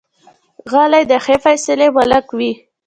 غلی، د ښې فیصلې مالک وي.